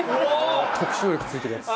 特殊能力ついてるやつ。